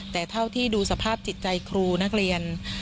แต่เท่าที่ดูสภาพจิตใจครูนักเรียน